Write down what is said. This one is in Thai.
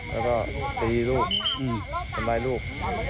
แล้วก็ตีลูกทำร้ายลูก